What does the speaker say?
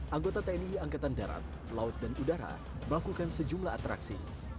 anggota tni angkatan darat laut dan udara melakukan sejumlah atraksi